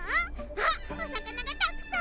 あっおさかながたくさん！